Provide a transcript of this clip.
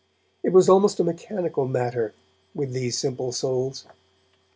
It was almost a mechanical matter with these simple souls.